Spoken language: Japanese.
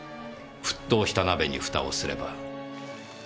沸騰した鍋に蓋をすれば。